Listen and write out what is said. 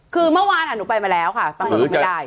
คือเมื่อวานอะหนูไปมาแล้วค่ะ